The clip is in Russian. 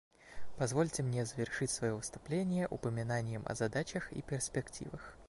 Позвольте мне завершить свое выступление упоминанием о задачах и перспективах.